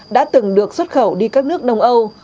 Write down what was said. đã từng được xuất khẩu đi các nước đông âu